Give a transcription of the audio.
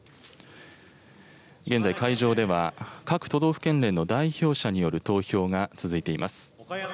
現在、会場では各都道府県連の代表者による投票が続いています。